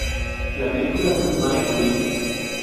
La película fue filmada en Turín.